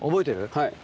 はい。